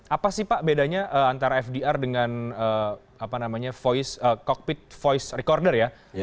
apa sih pak bedanya antara fdr dengan cockpit voice recorder ya